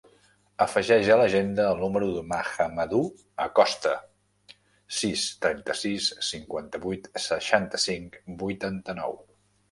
Afegeix a l'agenda el número del Mahamadou Acosta: sis, trenta-sis, cinquanta-vuit, seixanta-cinc, vuitanta-nou.